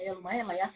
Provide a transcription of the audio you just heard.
ya lumayan lah ya